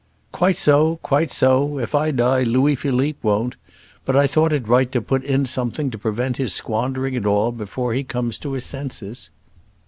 "Quite so, quite so. If I die, Louis Philippe won't; but I thought it right to put in something to prevent his squandering it all before he comes to his senses."